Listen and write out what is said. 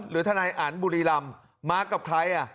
หรือทนายอันบุรีรำมากับใคร